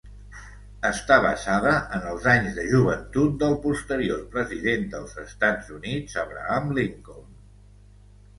Està basada en els anys de joventut del posterior president dels Estats Units Abraham Lincoln.